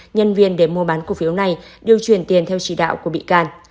nhân viên để mua bán cổ phiếu này điều chuyển tiền theo chỉ đạo của bị can